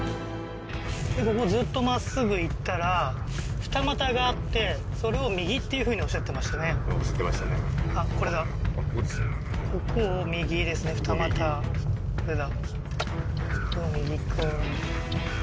ここずっとまっすぐ行ったら二股があってそれを右っていうふうにおっしゃってましたねおっしゃってましたね